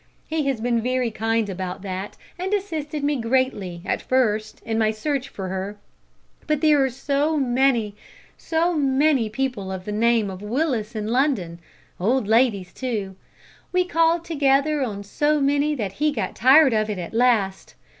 He has been very kind about that, and assisted me greatly at first in my search for her. But there are so many so many people of the name of Willis in London old ladies too! We called together on so many that he got tired of it at last.